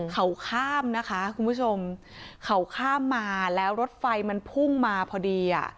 เขาข้ามนะคะคุณผู้ชมเขาข้ามมาแล้วรถไฟมันพุ่งมาพอดีอ่ะ